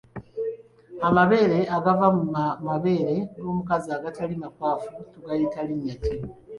Amabeere agava mu mabeere g’omukazi agatali makwafu tugayita linnya ki?